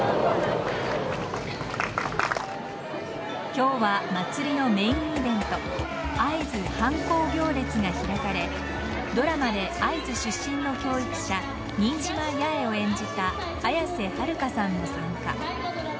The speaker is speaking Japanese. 今日は祭りのメインイベント会津藩公行列が開かれドラマで会津出身の教育者新島八重を演じた綾瀬はるかさんも参加。